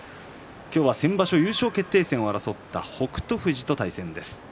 今日は先場所優勝決定戦を争った北勝富士との対戦です。